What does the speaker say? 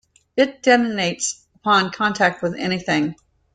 It detonates upon contact with anything.